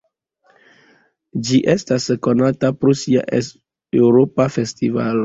Ĝi estas konata pro sia Eŭropa festivalo.